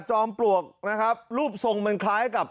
จอมปลวกรูปทรงมันคล้ายกับ